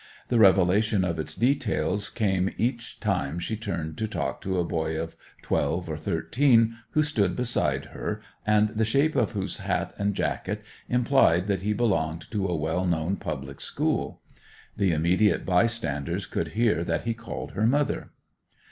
The revelation of its details came each time she turned to talk to a boy of twelve or thirteen who stood beside her, and the shape of whose hat and jacket implied that he belonged to a well known public school. The immediate bystanders could hear that he called her 'Mother.